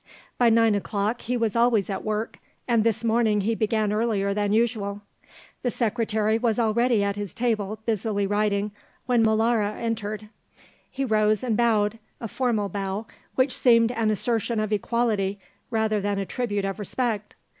By nine o'clock he was always at work and this morning he began earlier than usual. The Secretary was already at his table busily writing when Molara entered. He rose and bowed, a formal bow, which seemed an assertion of equality rather than a tribute of respect.